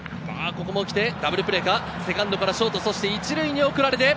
ダブルプレーか、セカンドからショート１塁に送られて！